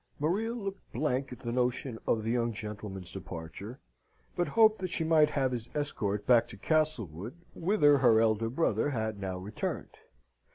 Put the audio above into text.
Maria looked blank at the notion of the young gentleman's departure, but hoped that she might have his escort back to Castlewood, whither her elder brother had now returned.